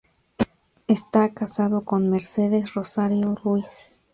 Está casado con Mercedes Rosario Ruiz.